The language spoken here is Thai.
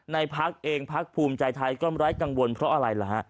ในพักเองพักภูมิใจท้ายก็ไม่ร้ายกังวลเพราะอะไรล่ะ